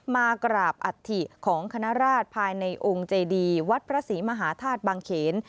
มากราบอัฐิของคณราชภายในองค์เจดีวัดพระศรีมหาธาตุบางเขน